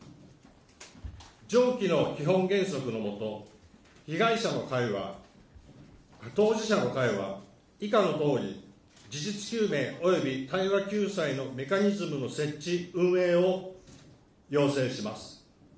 上記の基本原則の下、被害者の会は、当事者の会は、以下のとおり、事実究明及び対話救済のメカニズムの設置、運営を要請します。